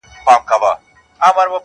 • تل به غلام وي د ګاونډیانو -